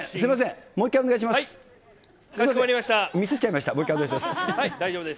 もう一回お願いします。